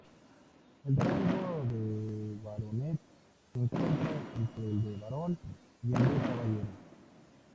El rango de baronet se encuentra entre el de barón y el de caballero.